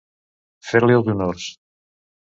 Fer-li els honors.